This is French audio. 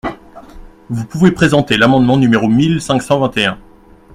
Vous pouvez présenter l’amendement numéro mille cinq cent vingt et un.